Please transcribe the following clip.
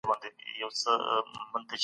سور رنګ ښکلی دئ.